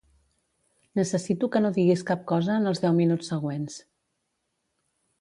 Necessito que no diguis cap cosa en els deu minuts següents.